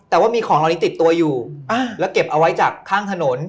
แต่ว่ามีของเหล่านี้ติดตัวอยู่แล้วเก็บเอาไว้จากข้างถนน